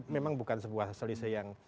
memang bukan sebuah selisih yang